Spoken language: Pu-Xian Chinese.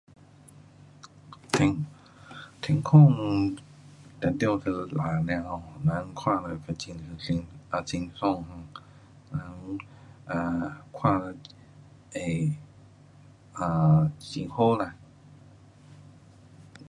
天，天空当然得蓝的 um，人看了精神，来也很爽 um 人看了也 um 很好啦。